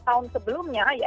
namun namun namun namun namun